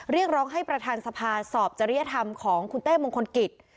เรียกร้องให้ประธานสภาสอบจริยธรรมของคุณเต้มงคลกิจ